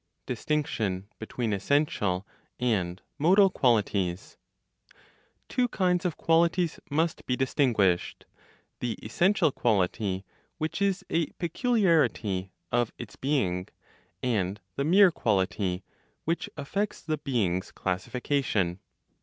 DISTINCTION BETWEEN ESSENTIAL AND MODAL QUALITIES. Two kinds of qualities must be distinguished; the essential quality, which is a peculiarity of its being, and the mere quality, which affects the being's classification.